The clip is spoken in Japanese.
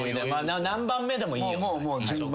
何番目でもいい。